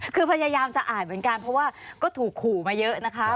คือพยายามจะอ่านเหมือนกันเพราะว่าก็ถูกขู่มาเยอะนะคะ